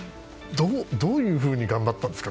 どういうふうに頑張ったんですか。